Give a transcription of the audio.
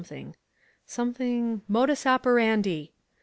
modus operandi